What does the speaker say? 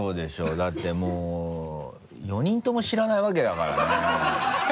だってもう４人とも知らないわけだからね。